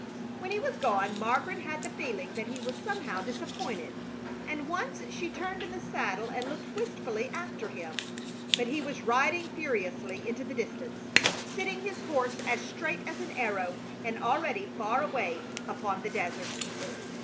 When he was gone Margaret had the feeling that he was somehow disappointed, and once she turned in the saddle and looked wistfully after him; but he was riding furiously into the distance, sitting his horse as straight as an arrow and already far away upon the desert.